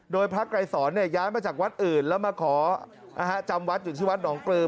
โดยพระไกรสอนย้ายมาจากวัดอื่นแล้วมาขอจำวัดอยู่ที่วัดหนองปลือ